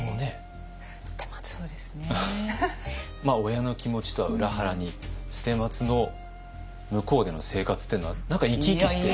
親の気持ちとは裏腹に捨松の向こうでの生活というのは何か生き生きして。